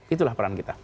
itulah peran kita